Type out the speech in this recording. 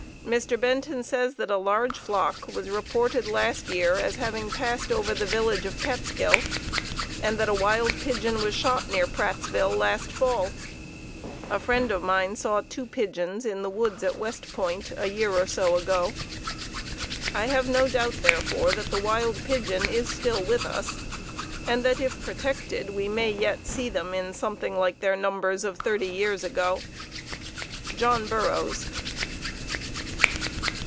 Mr. Benton says that a large flock was reported last year as having passed over the village of Catskill, and that a wild pigeon was shot near Prattsville last fall. A friend of mine saw two pigeons in the woods at West Point a year or so ago. I have no doubt, therefore, that the wild pigeon is still with us, and that if protected we may yet see them in something like their numbers of thirty years ago. John Burroughs.